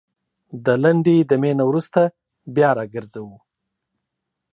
دا لنډې دمي نه وروسته بيا راګرځوو